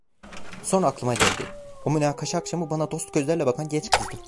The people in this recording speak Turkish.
Sonra aklıma geldi: O münakaşa akşamı bana dost gözlerle bakan genç kızdı.